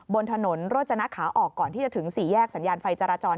บนถนนโรจนะขาออกก่อนที่จะถึงสี่แยกสัญญาณไฟจราจร